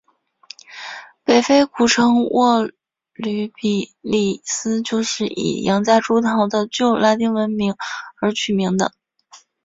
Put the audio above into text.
北非古城沃吕比利斯就是以洋夹竹桃的旧拉丁文名而取名的。